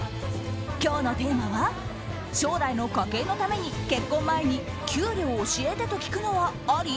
今日のテーマは将来の家計のために結婚前に給料教えてと聞くのはあり？